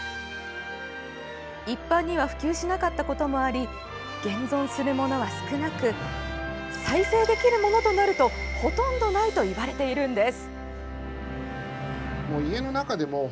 一般には普及しなかったこともあり現存するものは少なく再生できるものとなるとほとんどないといわれているんです。